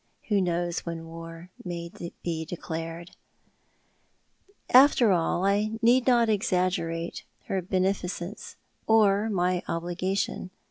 Who knows when war may be declared ? After all I need not exaggerate her beneficence or my obliga tion.